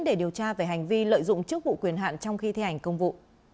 để điều tra về hành vi lợi dụng chức vụ quyền hạn trong khi thi hành công vụ